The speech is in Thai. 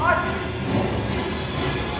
หนึ่งสองไป